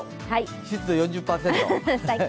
湿度４０％！